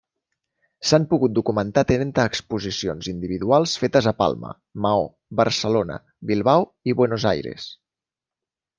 S'han pogut documentar trenta exposicions individuals fetes a Palma, Maó, Barcelona, Bilbao i Buenos Aires.